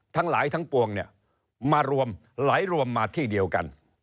ทั้งหลายทั้งปวงเนี่ยมารวมไหลรวมมาที่เดียวกัน